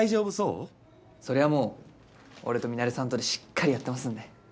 そりゃもう俺とミナレさんとでしっかりやってますんで。